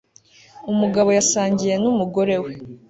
Umugabo yasangiye numugore we